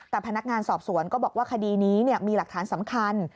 แต่พนักงานสอบสวนก็บอกว่าคดีนี้มีหลักฐานสำคัญ